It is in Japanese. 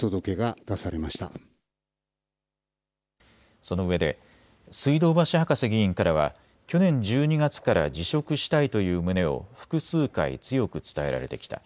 そのうえで水道橋博士議員からは去年１２月から辞職したいという旨を複数回、強く伝えられてきた。